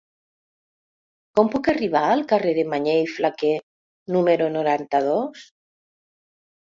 Com puc arribar al carrer de Mañé i Flaquer número noranta-dos?